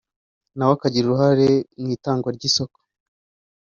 na we akagira uruhare mu itangwa ry’isoko